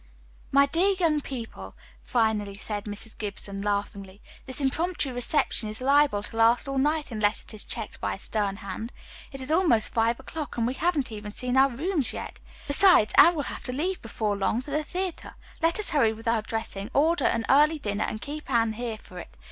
"My dear young people," finally said Mrs. Gibson, laughingly, "this impromptu reception is liable to last all night unless it is checked by a stern hand. It is almost five o'clock, and we haven't even seen our rooms yet. Besides, Anne will have to leave before long for the theatre. Let us hurry with our dressing, order an early dinner and keep Anne here for it.